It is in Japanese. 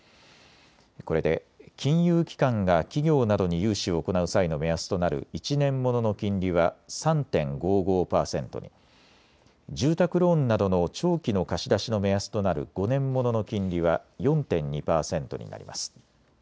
これで金融機関が企業などに融資を行う際の目安となる１年ものの金利は３．５５％に、住宅ローンなどの長期の貸し出しの目安となる５年ものの金利は４．２％になります。